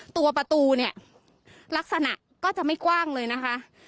ตัวประตูเนี่ยลักษณะก็จะไม่กว้างเลยนะคะ